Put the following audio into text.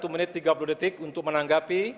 satu menit tiga puluh detik untuk menanggapi